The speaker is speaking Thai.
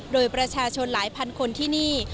โดยประชาชนหลายพันคนที่นี่